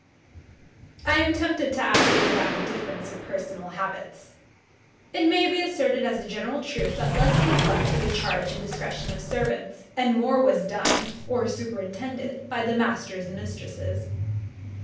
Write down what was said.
I am tempted to add a little about the difference of personal habits. It may be asserted as a general truth, that less was left to the charge and discretion of servants, and more was done, or superintended, by the masters and mistresses.